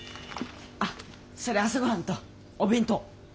あっそれ朝ごはんとお弁当。